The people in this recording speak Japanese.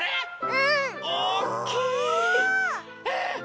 うん！